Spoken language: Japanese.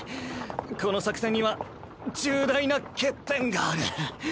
この作戦には重大な欠点がある。